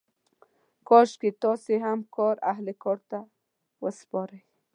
کاشکې تاسې هم کار اهل کار ته وسپارئ.